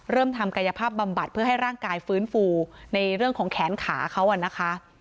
ทำกายภาพบำบัดเพื่อให้ร่างกายฟื้นฟูในเรื่องของแขนขาเขานะคะ